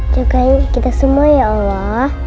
cukai kita semua ya allah